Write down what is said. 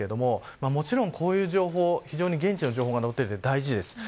もちろんこういう情報、非常に現地の情報が載っていて大事です。